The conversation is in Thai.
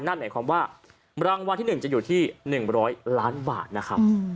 นั่นหมายความว่ารางวัลที่๑จะอยู่ที่๑๐๐ล้านบาทนะครับ